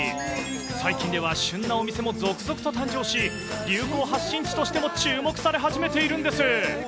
最近では旬なお店も続々と誕生し、流行発信地としても注目され始めているんです。